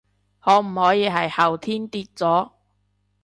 可唔可以係後天跌咗？